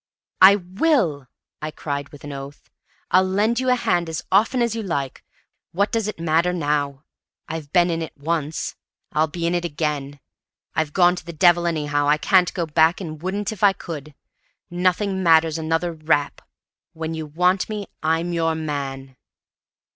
"I will," I cried with an oath. "I'll lend you a hand as often as you like! What does it matter now? I've been in it once. I'll be in it again. I've gone to the devil anyhow. I can't go back, and wouldn't if I could. Nothing matters another rap! When you want me, I'm your man!"